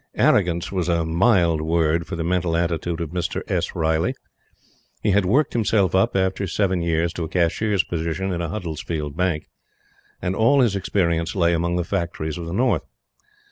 Arrogance was a mild word for the mental attitude of Mr. S. Riley. He had worked himself up, after seven years, to a Cashier's position in a Huddersfield Bank; and all his experience lay among the factories of the North.